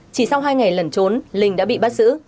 chỉ sau hai ngày lẩn trốn linh đã bị bắt giữ